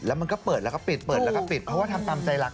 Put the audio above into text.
แล้วมันก็เปิดแล้วก็ปิดเพราะว่าทำตามใจหลัก